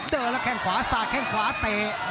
เดินแล้วแข้งขวาสาดแข้งขวาเตะ